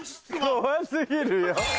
怖過ぎるよ。